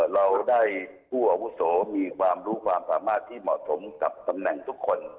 เราได้ผู้อาวุโสมีความรู้ความสามารถที่เหมาะสมกับตำแหน่งทุกคน